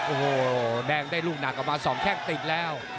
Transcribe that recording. โอ้โหแดงได้ลูกหนักออกมา๒แข้งติดแล้ว